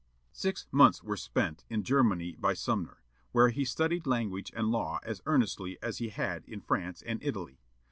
Six months were spent in Germany by Sumner, where he studied language and law as earnestly as he had in France and Italy.